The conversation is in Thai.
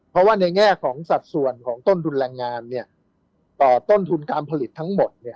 เพราะว่าในแง่ของสัดส่วนของต้นทุนแรงงานเนี่ยต้นทุนการผลิตทั้งหมดเนี่ย